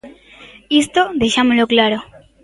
Isto deixámolo claro.